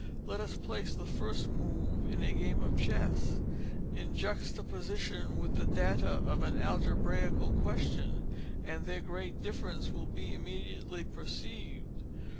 Let us place the _first move _in a game of chess, in juxta position with the _data _of an algebraical question, and their great difference will be immediately perceived.